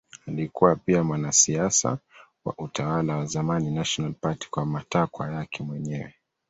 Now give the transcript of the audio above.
Alikuwa pia mwanasiasa wa utawala wa zamani National Party kwa matakwa yake mwenyewe.